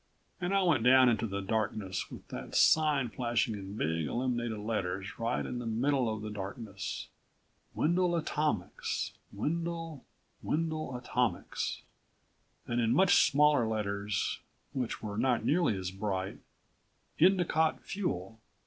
And I went down into the darkness with that sign flashing in big illuminated letters right in the middle of the darkness. WENDEL ATOMICS. WENDEL. WENDEL ATOMICS. And in much smaller letters, which were not nearly as bright: Endicott Fuel.